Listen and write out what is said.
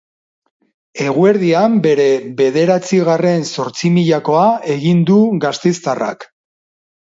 Eguerdian bere bederatzigarren zortzimilakoa egin du gasteiztarrak.